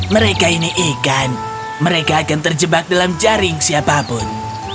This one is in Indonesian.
mereka ini ikan mereka akan terjebak dalam jaring siapapun